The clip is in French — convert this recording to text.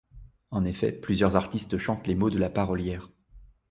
En effet, plusieurs artistes chantent les mots de la parolière.